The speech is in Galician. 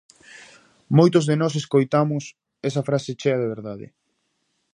Moitos de nós escoitamos esa frase chea de verdade.